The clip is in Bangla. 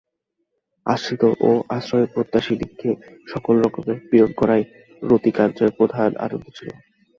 আশ্রিত ও আশ্রয়প্রত্যাশীদিগকে সকল রকমে পীড়ন করাই রতিকান্তের প্রধান আনন্দ ছিল।